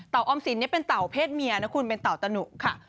ต่อออมสินเนี่ยเป็นต่อเพศเมียนะคุณเป็นต่อตนุค่ะ